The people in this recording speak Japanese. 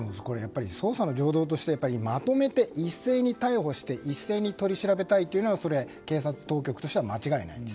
捜査の常道としてまとめて一斉に逮捕して一斉に取り調べたいというのが警察当局としては間違いないです。